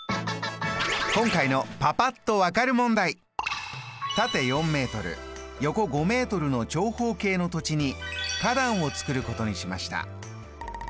今回の縦４ｍ横５ｍの長方形の土地に花壇を作ることにしました。